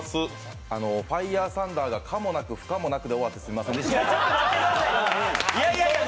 ファイアーサンダーが可もなく不可もなくで終わってしまってすみませんでした。